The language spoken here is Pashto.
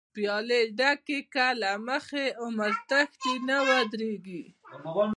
پیالی ډکی کړه له مخی، عمر تښتی نه ودریږی